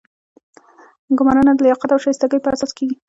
ګمارنه د لیاقت او شایستګۍ په اساس کیږي.